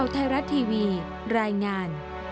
โปรดติดตามตอนต่อไป